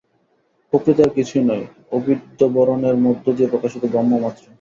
প্রকৃতি আর কিছুই নয়, অবিদ্যাবরণের মধ্য দিয়ে প্রকাশিত ব্রহ্মমাত্র।